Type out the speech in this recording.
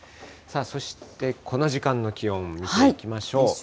そしてこの時間の気温見ていきましょう。